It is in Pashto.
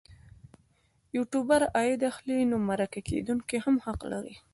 یوټوبر عاید اخلي نو مرکه کېدونکی هم حق لري.